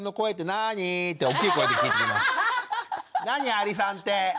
アリさんって！」。